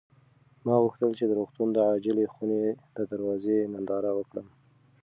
ما غوښتل چې د روغتون د عاجلې خونې د دروازې ننداره وکړم.